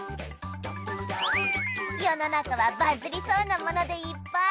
世の中はバズりそうなものでいっぱい！